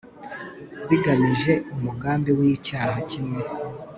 bigamije umugambi w icyaha kimwe